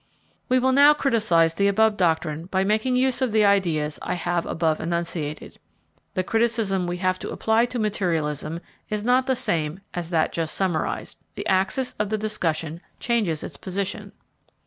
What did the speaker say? We will now criticise the above doctrine by making use of the ideas I have above enunciated. The criticism we have to apply to materialism is not the same as that just summarised. The axis of the discussion changes its position.